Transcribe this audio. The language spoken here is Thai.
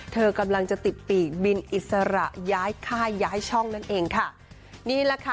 เธอกำลังจะติดปีกบินอิสระย้ายค่ายย้ายช่องนั่นเองค่ะนี่แหละค่ะ